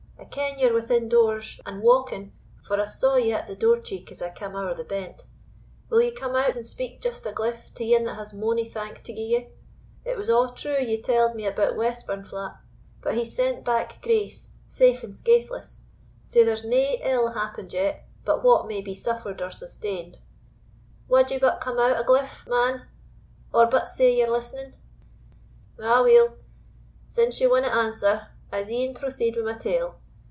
I ken ye're within doors, and wauking, for I saw ye at the door cheek as I cam ower the bent; will ye come out and speak just a gliff to ane that has mony thanks to gie ye? It was a' true ye tell'd me about Westburnflat; but he's sent back Grace safe and skaithless, sae there's nae ill happened yet but what may be suffered or sustained; Wad ye but come out a gliff; man, or but say ye're listening? Aweel, since ye winna answer, I'se e'en proceed wi' my tale.